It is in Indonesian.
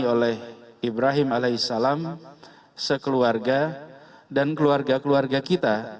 pemotongan yang dialami oleh ibrahim as sekeluarga dan keluarga keluarga kita